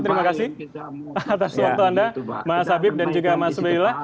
terima kasih atas waktu anda mas habib dan juga mas ubaila